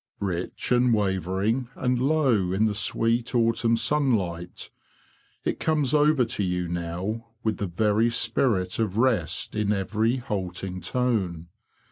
Rich and wavering and low in the sweet autumn sunlight, it comes over to you now with the very spirit of rest in every halting tone.